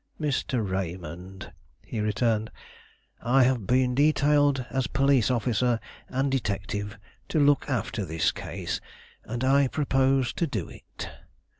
"Mr. Raymond," he returned, "I have been detailed as police officer and detective to look after this case, and I propose to do it."